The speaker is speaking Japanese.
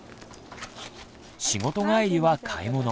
仕事帰りは買い物。